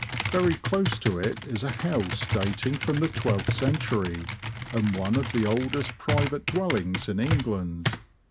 Very close to it is a house dating from the twelfth century, and one of the oldest private dwellings in England.